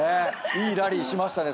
いいラリーしましたね